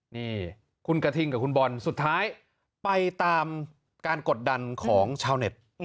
นี่คุณกระทิงกับคุณบอลสุดท้ายไปตามการกดดันของชาวเน็ต